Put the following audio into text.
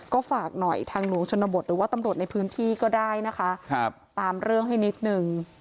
ก็ฝากหน่อยทางหลวงชนบทหรือว่าตำรวจในพื้นที่ก็ได้นะคะตามเรื่องให้นิดนึง